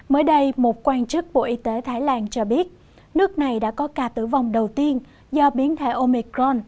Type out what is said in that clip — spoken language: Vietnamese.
mới đây một quan chức bộ y tế thái lan cho biết nước này đã có ca tử vong đầu tiên do biến thể omicron